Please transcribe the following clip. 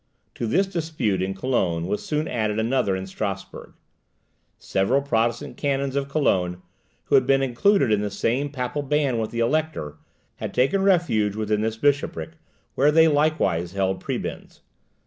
To this dispute in Cologne was soon added another in Strasburg. Several Protestant canons of Cologne, who had been included in the same papal ban with the elector, had taken refuge within this bishopric, where they likewise held prebends.